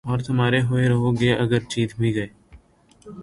اور تُمہارے ہوئے رہو گے اگر جیت بھی گئے